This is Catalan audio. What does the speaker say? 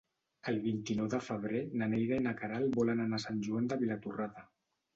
El vint-i-nou de febrer na Neida i na Queralt volen anar a Sant Joan de Vilatorrada.